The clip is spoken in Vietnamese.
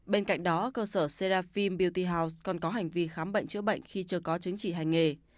bên cạnh đó cơ sở serafim beaty house còn có hành vi khám bệnh chữa bệnh khi chưa có chứng chỉ hành nghề